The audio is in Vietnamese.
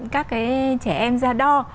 các cái trẻ em ra đo